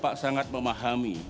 bapak sangat memahami